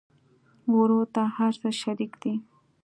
ورور ته هر څه شريک دي.